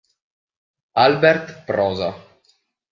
Albert Prosa